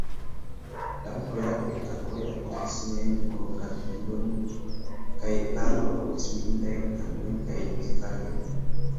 La onklo Jako kelkafoje alportis sian fonografilon, kaj Karlo aŭdis mirindajn kantojn kaj muzikaĵojn.